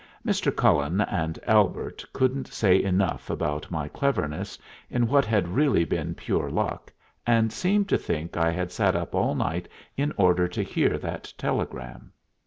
Mr. Cullen and Albert couldn't say enough about my cleverness in what had really been pure luck, and seemed to think I had sat up all night in order to hear that telegram.